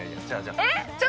えっ！